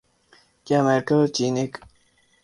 کیا امریکہ اور چین ایک